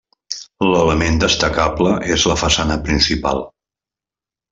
L'element destacable és la façana principal.